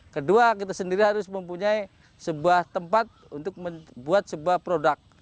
kedua kita sendiri harus mempunyai sebuah tempat untuk membuat sebuah produk